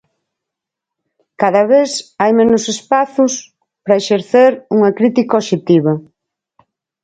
Cada vez hai menos espazos para exercer unha crítica obxectiva.